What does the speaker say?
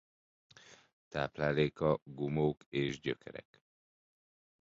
Tápláléka gumók és gyökerek.